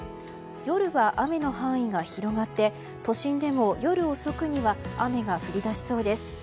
夜は雨の範囲が広がって都心でも夜遅くには雨が降り出しそうです。